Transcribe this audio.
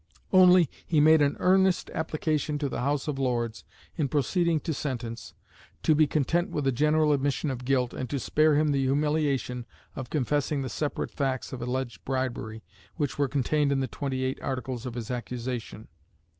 Only, he made an earnest application to the House of Lords, in proceeding to sentence, to be content with a general admission of guilt, and to spare him the humiliation of confessing the separate facts of alleged "bribery" which were contained in the twenty eight Articles of his accusation.